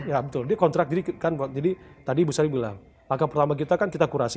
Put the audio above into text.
cintanya untuk dia kontrak creek kacity tadi bisa bilang argomenta kita kadir akurasi